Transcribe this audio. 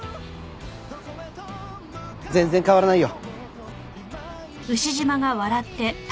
全然変わらないよ。